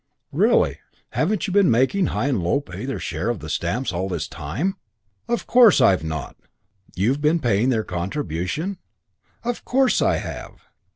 "Really? Haven't you been making High and Low pay their share of the stamps all this time?" "Of course I've not." "You've been paying their contribution?" "Of course I have."